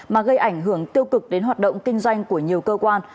mà gây ảnh hưởng tiêu cực đến hoạt động kinh doanh của nhiều cơ quan